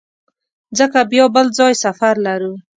ځکه بیا بل ځای سفر لرو.